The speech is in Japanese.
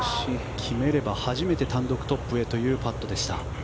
決めれば初めて単独トップへというパットでした。